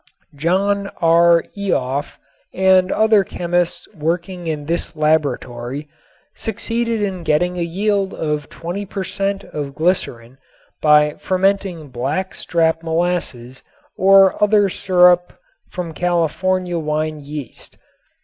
John R. Eoff and other chemists working in this laboratory succeeded in getting a yield of twenty per cent. of glycerin by fermenting black strap molasses or other syrup with California wine yeast.